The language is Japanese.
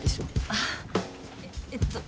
あっえっと。